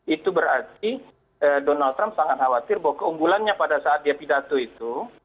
itu berarti donald trump sangat khawatir bahwa keunggulannya pada saat dia pidato itu